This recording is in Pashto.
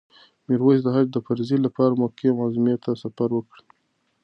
میرویس د حج د فریضې لپاره مکې معظمې ته سفر وکړ.